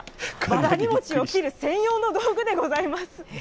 わらび餅を切る専用の道具でございます。